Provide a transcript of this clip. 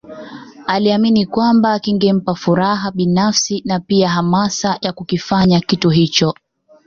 Aliamini kwamba kingempa furaha binafsi na pia hamasa ya kukifanya kitu hicho